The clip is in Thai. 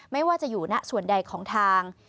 ไม่ว่าจะอยู่ณส่วนใดของทาง